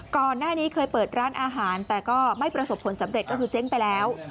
ก่อนหน้านี้เคยเปิดร้านอาหารแต่ก็ไม่ประสบผลสำเร็จก็คือเจ๊งไปแล้ว